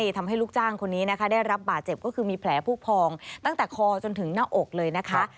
ทำให้ลูกจ้างคนนี้นะคะได้รับบาดเจ็บก็คือมีแผลผู้พองตั้งแต่คอจนถึงหน้าอกเลยนะคะ